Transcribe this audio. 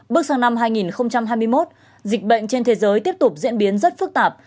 bước sang năm hai nghìn hai mươi một dịch bệnh trên thế giới tiếp tục diễn biến rất phức tạp